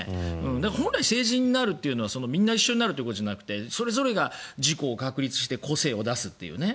本来、成人になるというのはみんな一緒になるということじゃなくてそれぞれが自己を確立して個性を出すというね。